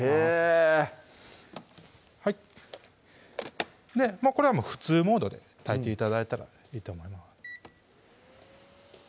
へぇこれは普通モードで炊いて頂いたらいいと思います